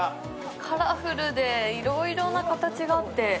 カラフルでいろいろな形があって。